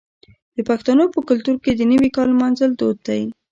د پښتنو په کلتور کې د نوي کال لمانځل دود دی.